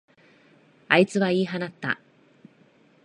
あいつは言い放った。